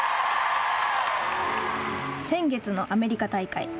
先月のアメリカ大会。